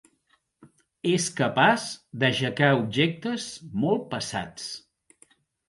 És capaç d'aixecar objectes molt pesats.